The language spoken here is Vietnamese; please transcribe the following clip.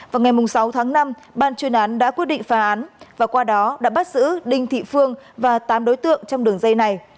vào ngày sáu tháng năm ban chuyên án đã quyết định phá án và qua đó đã bắt giữ đinh thị phương và tám đối tượng trong đường dây này